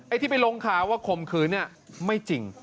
ไอ้ที่ไปลงค้าว่าขมคืนไม่จริง